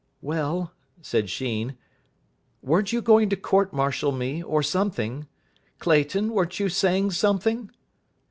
"Well," said Sheen, "weren't you going to court martial me, or something? Clayton, weren't you saying something?"